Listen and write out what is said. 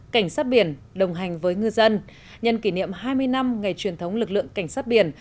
cảnh sát biển đồng hành với ngư dân nhân kỷ niệm hai mươi năm ngày truyền thống lực lượng cảnh sát biển